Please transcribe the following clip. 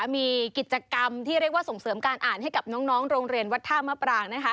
มีกิจกรรมที่เรียกว่าส่งเสริมการอ่านให้กับน้องโรงเรียนวัดท่ามะปราง